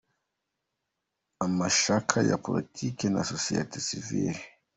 Amashyaka ya politiki na société civile